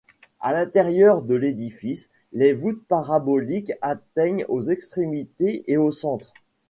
À l'intérieur de l'édifice, les voûtes paraboliques atteignent aux extrémités, et au centre.